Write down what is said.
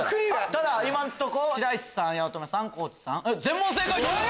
ただ今のとこ白石さん八乙女さん地さん全問正解。